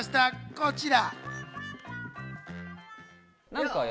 こちら。